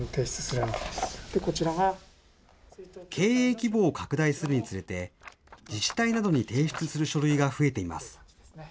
規模を拡大するにつれて、自治体などに提出する書類が増えています。